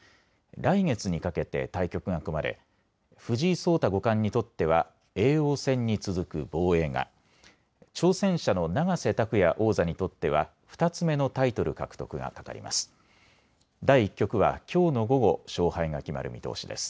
来月にかけて対局が組まれ藤井聡太五冠にとっては叡王戦に続く防衛が、挑戦者の永瀬拓矢王座にとっては２つ目のタイトル獲得がかかります。